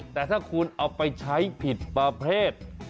แต่ถ้าคุณเอาไปใช้ผิดประเภท